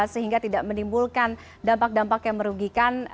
sehingga tidak menimbulkan dampak dampak yang merugikan